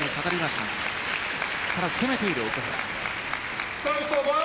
ただ、攻めている奥原。